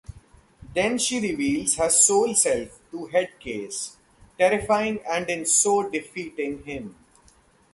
Then she reveals her soul-self to Headcase, terrifying and in so defeating him.